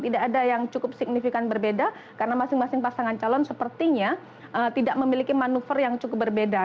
tidak ada yang cukup signifikan berbeda karena masing masing pasangan calon sepertinya tidak memiliki manuver yang cukup berbeda